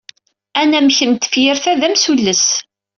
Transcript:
Anamek n tefyirt-a d amsulles.